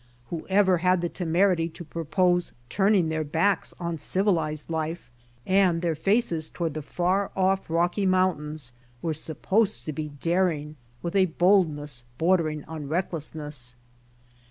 Whoever had the temerity to propose turning their backs on civilized life and their faces toward the far off Rocky mountains were sup posed to be daring with a boldness bordering on reck lessness.